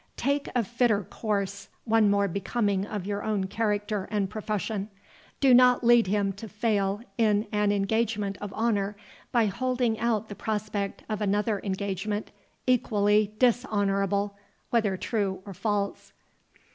Take a fitter course, one more becoming your own character and profession. Do not lead him to fail in an engagement of honour, by holding out the prospect of another engagement equally dishonourable, whether false or true.